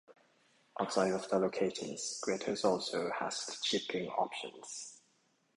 Outside of their locations, Graeter's also has shipping options.